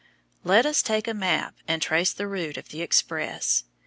Let us take a map and trace the route of the express.